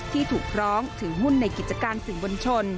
ที่ถูกร้องถือหุ้นในกิจการสื่อบนชน